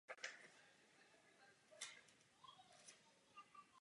Při tření povrchu vzducholodi o vzduch na něm vzniká elektrický náboj.